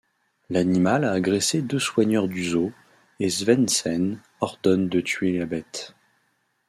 L'animal a agressé deux soigneurs du zoo et Svendsen ordonne de tuer la bête.